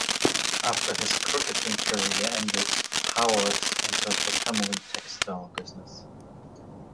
After his cricketing career ended, Howard entered the family textile business.